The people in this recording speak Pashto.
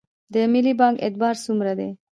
د ملي بانک اعتبار څومره دی؟